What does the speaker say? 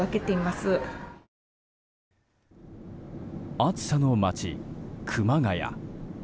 暑さの街・熊谷。